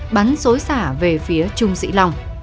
bắn xối xả về phía trung sĩ long